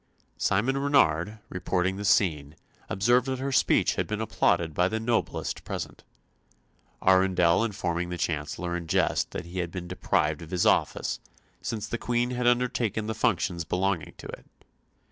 Simon Renard, reporting the scene, observed that her speech had been applauded by the nobles present, Arundel informing the Chancellor in jest that he had been deprived of his office, since the Queen had undertaken the functions belonging to it.